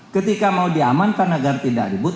ketika mau diamankan agar tidak ribut